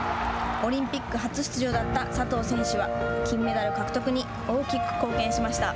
オリンピック初出場だった佐藤選手は金メダル獲得に大きく貢献しました。